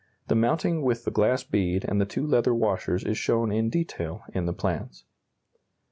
The mounting with the glass bead and the two leather washers is shown in detail in the plans.